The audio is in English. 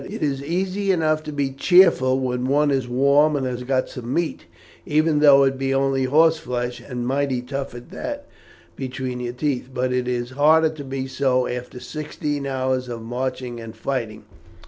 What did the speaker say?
"It is easy enough to be cheerful when one is warm and has got some meat, even though it be only horse flesh and mightily tough at that, between your teeth; but it is harder to be so after sixteen hours of marching and fighting."